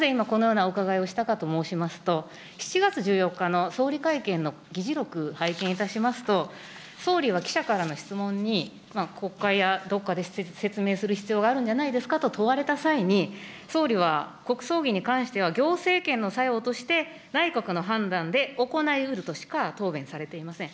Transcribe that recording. なぜ今、このようなお伺いをしたのかと申しますと、７月１４日の総理会見の議事録、拝見いたしますと、総理は記者からの質問に、国会や、どっかで説明する必要があるんじゃないですかと問われた際に、総理は、国葬儀に関しては、行政権のさようとして内閣の判断で行いうるとしか答弁されていません。